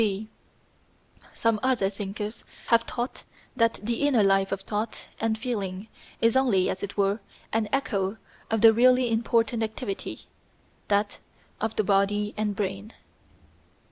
(b) Some other thinkers have taught that the inner life of thought and feeling is only, as it were, an echo of the really important activity that of the body and brain.